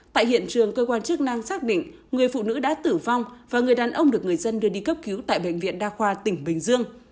tại hiện trường cơ quan chức năng xác định người phụ nữ đã tử vong và người đàn ông được người dân đưa đi cấp cứu tại bệnh viện đa khoa tỉnh bình dương